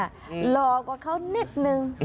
หล่อกว่าเขานิดนึง